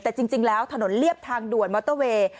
แต่จริงแล้วถนนเรียบทางด่วนมอเตอร์เวย์